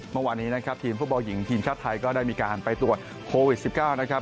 เมื่อวานนี้นะครับทีมฟุตบอลหญิงทีมชาติไทยก็ได้มีการไปตรวจโควิด๑๙นะครับ